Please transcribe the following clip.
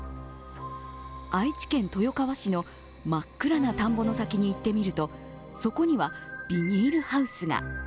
愛知県豊川市の真っ暗な田んぼの先に行ってみるとそこにはビニールハウスが。